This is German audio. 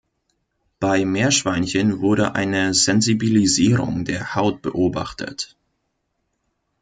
Bei Meerschweinchen wurde eine Sensibilisierung der Haut beobachtet.